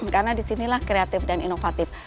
karena disinilah kreatif dan inovatif